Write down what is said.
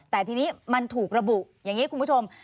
แต่ทีนี้มันถูกระบุอย่างนี้คุณผู้ชม